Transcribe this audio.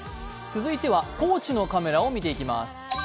高知のカメラを見ていきます。